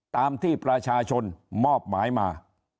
ตามที่ประชาชนมอบหมายมา